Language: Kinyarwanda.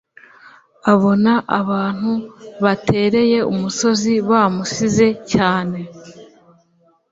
abona abantu batereye umusozi bamusize cyane